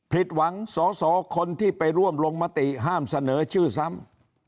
ผิดหวังสอสอคนที่ไปร่วมลงมติห้ามเสนอชื่อซ้ำ